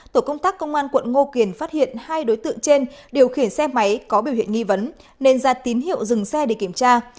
tổ công tác công an quận ngô quyền phát hiện hai đối tượng trên điều khiển xe máy có biểu hiện nghi vấn nên ra tín hiệu dừng xe để kiểm tra